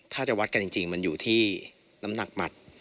ถ้าจะวัดกันจริงมันอยู่ที่น้ำหนักหมัด